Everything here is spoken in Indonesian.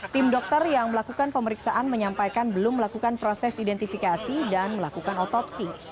tim dokter yang melakukan pemeriksaan menyampaikan belum melakukan proses identifikasi dan melakukan otopsi